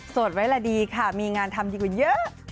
ไว้ละดีค่ะมีงานทำดีกว่าเยอะ